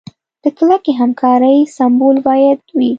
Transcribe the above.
د کلکې همکارۍ سمبول باید وي.